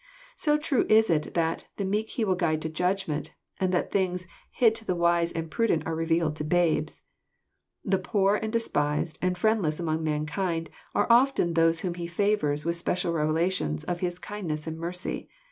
So true is it that "the meek He will guide in Judgment,'' and that things " hid to the wise and prudent are revealed to babes." The poor and despised and friendless among mankind are often those whom He favours with special revelations of His kindness and mercy.